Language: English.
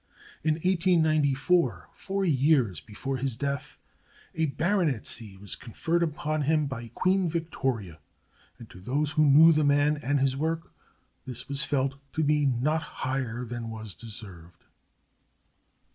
In 1894, four years before his death, a baronetcy was conferred upon him by Queen Victoria, and to those who knew the man and his work this was felt to be not higher than was deserved.